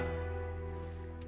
tidak ada yang boleh menyusahkan